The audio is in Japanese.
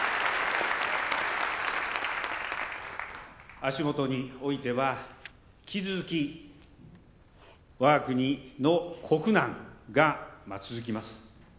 足元においては引き続き、わが国の国難が続きます。